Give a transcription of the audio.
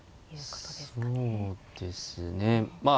そうですねまあ